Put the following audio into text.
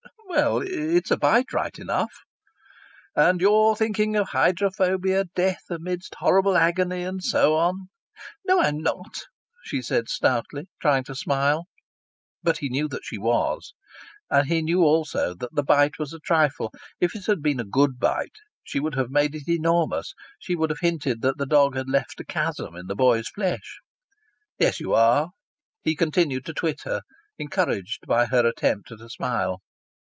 "Well it's a bite right enough." "And you're thinking of hydrophobia, death amid horrible agony, and so on." "No, I'm not," she said stoutly, trying to smile. But he knew she was. And he knew also that the bite was a trifle. If it had been a good bite she would have made it enormous; she would have hinted that the dog had left a chasm in the boy's flesh. "Yes, you are," he continued to twit her, encouraged by her attempt at a smile.